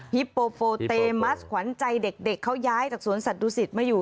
ฮิปโปโฟเตมัสขวัญใจเด็กเขาย้ายจากสวนสัตวศิษฐ์มาอยู่